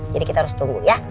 jadi kita harus tunggu ya